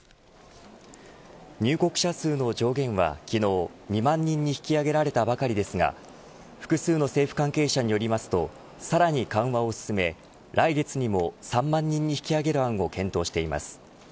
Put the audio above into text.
入国者数の上限は昨日２万人に引き上げられたばかりですが複数の政府関係者によりますとさらに緩和を進め、来月にも３万人に引き上げる案を検討しています。